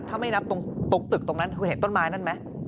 ถ้าไม่นับตรงตึกตรงนั้นคุณเห็นต้นไม้นั่นไหม